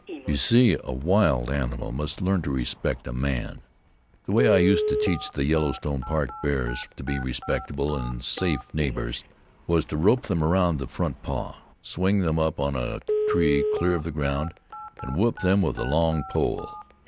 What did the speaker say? You see, a wild animal must learn to respect a man. The way I used to teach the Yellowstone Park bears to be respectful and safe neighbors was to rope them around the front paw, swing them up on a tree clear of the ground, and whip them with a long pole.